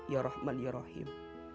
ya rahman ya rahim